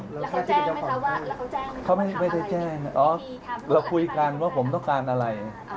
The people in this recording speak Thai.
แล้วเขาแจ้งไหมคะว่าเขาไม่ได้แจ้งเราคุยกันว่าผมต้องการอะไร